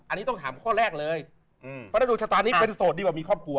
อันนี้ต้องถามข้อแรกเลยเพราะฉะนั้นดวงชะตานี้เป็นโสดดีกว่ามีครอบครัว